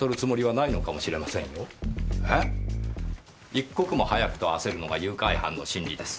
一刻も早くと焦るのが誘拐犯の心理です。